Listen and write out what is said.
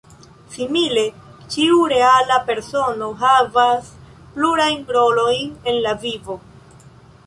Simile, ĉiu reala persono havas plurajn rolojn en la vivo.